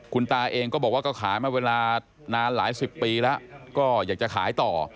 คุณตาเองก็บอกว่าก็ขายมาเวลานานหลายสิบปีแล้วก็อยากจะขายต่อ